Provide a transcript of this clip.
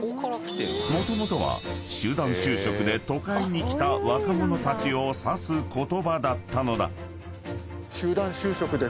［もともとは集団就職で都会に来た若者たちを指す言葉だったのだ］